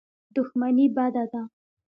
دښمني بده ده.